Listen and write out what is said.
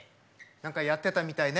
何かやってたみたいね。